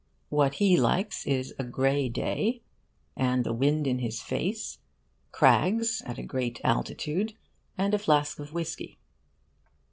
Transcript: What he likes is a grey day and the wind in his face; crags at a great altitude; and a flask of whisky.